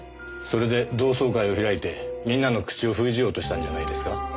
それで同窓会を開いてみんなの口を封じようとしたんじゃないですか？